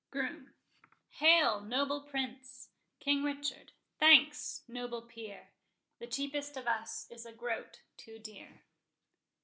Groom. Hail, noble prince! King Richard. Thanks, noble peer; The cheapest of us is a groat too dear.